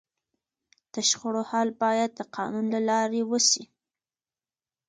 د شخړو حل باید د قانون له لارې وسي.